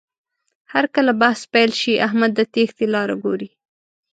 هرکله بحث پیل شي، احمد د تېښتې لاره ګوري.